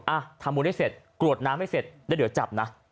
อ่ะทำบุญให้เสร็จกรวดน้ำให้เสร็จแล้วเดี๋ยวจับนะ